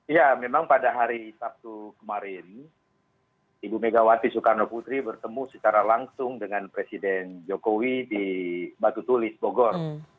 ya memang pada hari sabtu kemarin ibu megawati soekarno putri bertemu secara langsung dengan presiden jokowi di batu tulis bogor